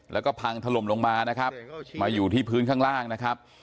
แล้วก็พังถล่มลงมานะครับมาอยู่ที่พื้นข้างล่างนะครับ